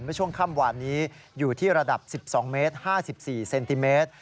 เมื่อช่วงค่ำวานนี้อยู่ที่ระดับ๑๒เมตร๕๔เซนติเมตร